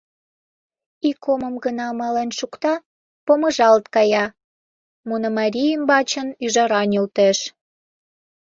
Ик омым гына мален шукта, помыжалт кая — Мунамарий ӱмбачын ӱжара нӧлтеш.